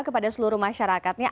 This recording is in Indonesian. kepada seluruh masyarakatnya